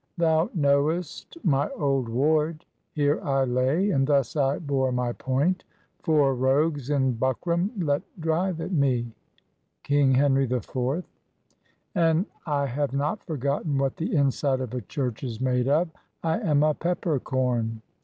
"Thou knowest my old ward; here I lay, and thus I bore my point. Four rogues in buckram let drive at me." King Henry IV. "An I have not forgotten what the inside of a church is made of, I am a pepper corn."